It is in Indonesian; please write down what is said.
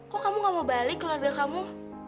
kok kamu gak mau balik keluarga kamu